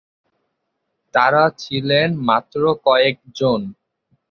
তারা ছিলেন মাত্র কয়েকজন।